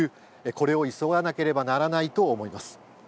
これを急がなければならないと思います。